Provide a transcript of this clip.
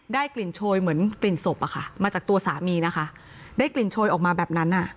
ได้กลิ่นโชยเหมือนกลิ่นศพอะค่ะมาจากตัวสามีนะคะได้กลิ่นโชยออกมาแบบนั้นอ่ะ